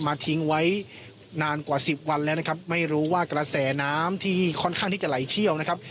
ทิ้งไว้นานกว่าสิบวันแล้วนะครับไม่รู้ว่ากระแสน้ำที่ค่อนข้างที่จะไหลเชี่ยวนะครับ